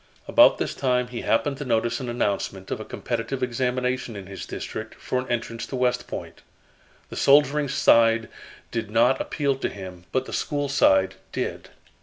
About this time he happened to notice an announcement of a competitive examination in his district for an entrance to West Point. The soldiering side did not appeal to him, but the school side did.